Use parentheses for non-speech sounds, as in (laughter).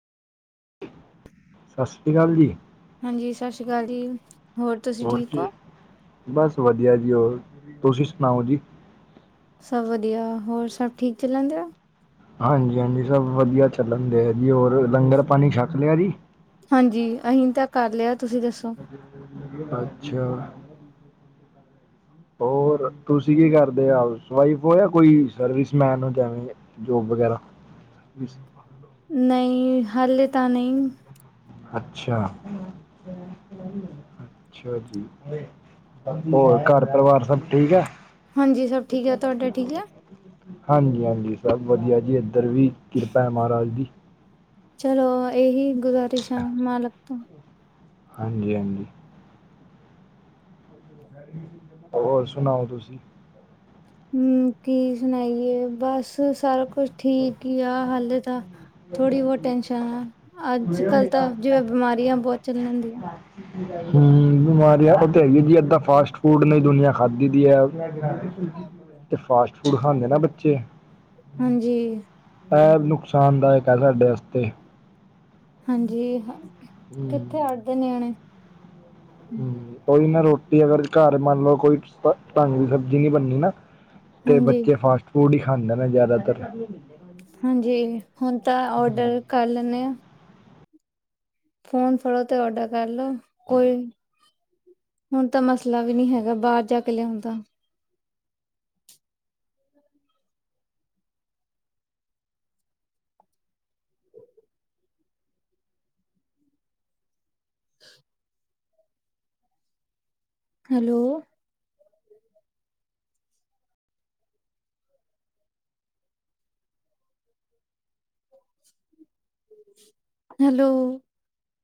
ਸ਼ਾਸ਼੍ਰੀ ਕਾਲ ਜੀ। ਹਾਂਜੀ, ਸ਼ਾਸ਼੍ਰੀ ਕਾਲ ਜੀ। ਤੁਸੀਂ ਹੋਰ ਠੀਕ ਕੀ, ਹੋ ਬਸ ਵਧੀਆ ਜੀ, ਓਰ, ਤੁਸੀਂ ਸੁਣਾਓ ਜੀ ਸਭ ਵਧੀਆ, ਹੋਰ ਸਭ ਠੀਕ ਚੱਲਣ ਦੇਆ? ਹਾਂਜੀ-ਹਾਂਜੀ ਸਭ ਵਧੀਆ ਚੱਲਣ ਦੇਐ ਜੀ ਔਰ ਲੰਗਰ ਪਾਣੀ ਸ਼ੱਕ ਲੇਆ ਜੀ? ਹਾਂਜੀ ਅਹੀਂ ਤਾਂ ਕੱਰ ਲੇਆ ਤੁਸੀ ਦੱਸੋ? (unintelligible) ਅੱਛਾ (inaudible) ਹੋਰ, ਤੁਸੀ ਕੀ ਕਰਦੇ ਹਾਊਸ ਵਾਈਫ ਓ ਯਾ ਕੋਈ ਸਰਵਿਸ ਮੈਨ ਓ ਜੈਵੇ ਜੋਬ ਵਗੈਰਾ। ਨਈ ਹਾਲੇ ਤਾ ਨਈ ਅੱਛਾ ਅੱਛਾ ਜੀ, ਹੋਰ ਘੱਰ ਪਰਵਾਰ ਸਭ ਠੀਕ ਐ? ਹਾਂਜੀ ਸਭ ਠੀਕ ਐ, ਤੁਆਡੇ ਠੀਕ ਐ? ਹਾਂਜੀ-ਹਾਂਜੀ ਸਭ ਵਧੀਆ ਜੀ ਏਧਰ ਵੀ ਕਿਰਪਾ ਮਾਰਾਜ ਦੀ ਚਲੋ ਏਹੀ ਗੁਜ਼ਾਰਿਸ਼ ਆਂ ਮਾਲਕ ਤੋ ਹਾਂਜੀ-ਹਾਂਜੀ। ਔਰ ਸੁਣਾਓ ਤੁਸੀ? ਹੂੰ, ਕੀ ਸੁਣਾਈਏ ਬੱਸ ਸਾਰਾ ਕੁੱਛ ਠੀਕ ਈ ਆ ਹਾਲੇ ਤਾ ਥੋੜੀ ਵੋ ਟੈਸ਼ਣਾ ਅੱਜ-ਕੱਲ ਤਾ ਜਿਵੇ ਬਿਮਾਰੀਆਂ ਬੋਤ ਚੱਲਣ ਦੀਆ ਹੂੰ, ਬਿਮਾਰੀਆ ਓ ਤੇ ਹੈ ਈ ਐ ਜੀ, ਅੱਧਾ ਫਾਸਟ ਫੂਡ ਨੇ ਦੁਨੀਆ ਖਾਧੀ ਦੀ ਐ ਤੇ ਫਾਸਟ ਫੂਡ ਖਾਂਦੇ ਨਾ ਬੱਚੇ ਹਾਂਜੀ ਐ ਨੁਕਸਾਨਦਾਅਕ ਐ ਸਾਡੇ ਆਸਤੇ ਹਾਂਜੀ, ਹੂੰ ਕਿੱਥੇ ਅੜਦੇ ਨੇਆਣੇ ਹੂੰ, ਓਇ ਨਾ ਰੋਟੀ ਅਗਰ ਘਰ ਮੰਨ ਲੋ ਕੋਈ ਤ ਟੰਗ ਦੀ ਸਬਜ਼ੀ ਨੀ ਬਣਨੀ ਨਾ ਤੇ ਹਾਂਜੀ ਬੱਚੇ ਫਾਸਟ ਫੂਡ ਈ ਖਾਂਦੇ ਨੇ ਜਾਦਾਤਰ। ਹਾਂਜੀ ਹੁਣ ਤਾ ਔਡਰ ਕੱਰ ਲੈਣੇ ਆ। ਫੋਨ ਫੜੋ ਤੇ ਔਡਰ ਕਰ ਲੋ, ਕੋਈ ਹੁਣ ਤਾ ਮਸਲਾ ਵੀ ਨੀ ਹੈਗਾ ਬਾਰ ਜਾ ਕੇ ਲੇਆਣ ਦਾ ਹੈਲੋ ਹੈਲੋ